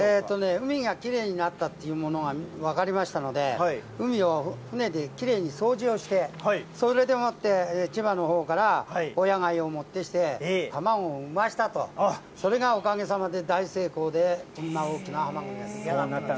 海がきれいになったというものは分かりましたので、海を船できれいに掃除をして、それでもって、千葉のほうから親貝を持ってきて、卵を産ませたと、それがおかげさまで大成功で、こんな大きなはまぐりが。